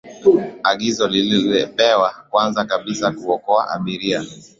agizo lilipewa kwanza kabisa kuokoa abiria